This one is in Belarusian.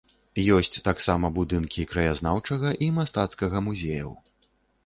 Ёсць таксама будынкі краязнаўчага і мастацкага музеяў.